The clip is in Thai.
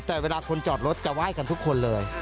แต่เวลาคนจอดรถจะไหว้กันทุกคนเลย